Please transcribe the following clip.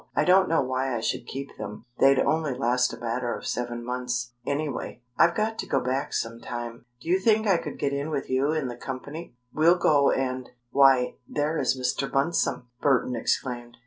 "I don't know why I should keep them. They'd only last a matter of seven months, anyway. I've got to go back sometime. Do you think I could get in with you in the company?" "We'll go and Why, there is Mr. Bunsome!" Burton exclaimed. "Mr.